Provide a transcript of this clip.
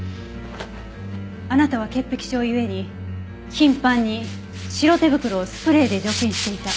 あなたは潔癖症ゆえに頻繁に白手袋をスプレーで除菌していた。